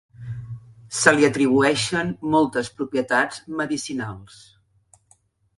Se li atribueixen moltes propietats medicinals.